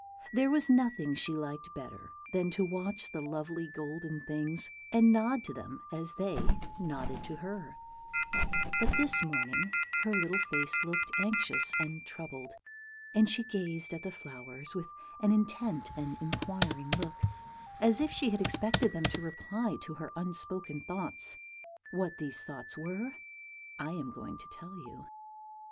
There was nothing she liked better than to watch the lovely golden things, and nod to them as they nodded to her; but this morning her little face looked anxious and troubled, and she gazed at the flowers with an intent and inquiring look, as if she had expected them to reply to her unspoken thoughts. What these thoughts were I am going to tell you.